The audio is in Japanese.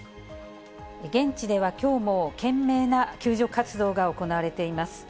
現地ではきょうも懸命な救助活動が行われています。